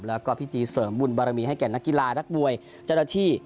แล้วก็พิธีเสริมบุญบารมีให้แก่นักกีฬานักมวยเจ้าหน้าที่